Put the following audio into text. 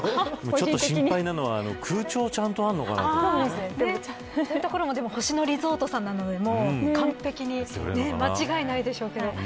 心配なのは空調がちゃんとあるのかというそういうところも星野リゾートさんなので完璧に間違いないでしょうけど。